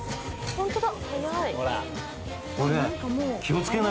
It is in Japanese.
ホントだ。